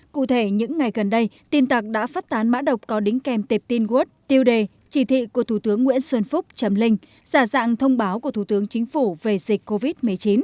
cụ thể những ngày gần đây tin tặc đã phát tán mã độc có đính kèm tệp tin wat tiêu đề chỉ thị của thủ tướng nguyễn xuân phúc trầm linh giả dạng thông báo của thủ tướng chính phủ về dịch covid một mươi chín